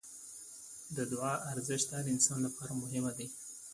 د دعا ارزښت د هر انسان لپاره مهم دی.